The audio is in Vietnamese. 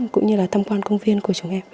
cũng như là thăm quan công viên của chúng em